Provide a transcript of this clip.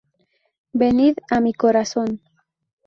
Venid a mi corazón.